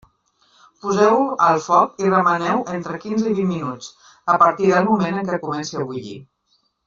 Poseu-ho al foc i remeneu-ho entre quinze i vint minuts, a partir del moment en què comenci a bullir.